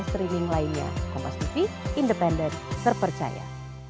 streaming lainnya kompas tv independen terpercaya